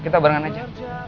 kita barengan aja